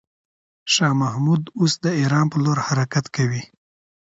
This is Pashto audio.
شاه محمود اوس د ایران پر لور حرکت کوي.